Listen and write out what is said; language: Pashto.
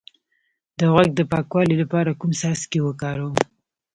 د غوږ د پاکوالي لپاره کوم څاڅکي وکاروم؟